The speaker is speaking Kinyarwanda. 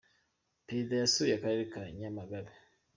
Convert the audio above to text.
perezida yasuye akarere ka nyamagabe.